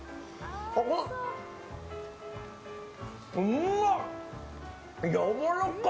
うまっ！